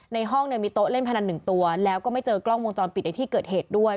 ในห้องเนี่ยมีโต๊ะเล่นพนันหนึ่งตัวแล้วก็ไม่เจอกล้องวงจรปิดในที่เกิดเหตุด้วย